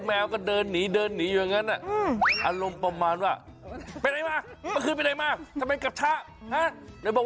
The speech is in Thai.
อันนี้คือหันกพวกนี้ประมาณแนะคะครับ